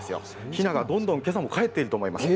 ひながどんどんけさもかえっていると思います。